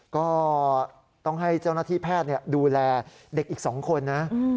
ก็ต้องให้เจ้าหน้าที่แพทย์ดูแลเด็กอีก๒คนนะ